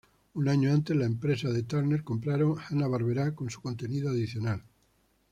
Un año antes, las empresas de Turner compraron Hanna-Barbera con su contenido adicional.